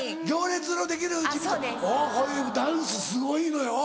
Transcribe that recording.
『行列のできる』ダンスすごいのよ。